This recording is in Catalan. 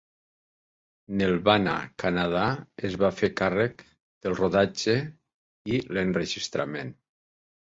Nelvana Canada es va fer càrrec del rodatge i l'enregistrament.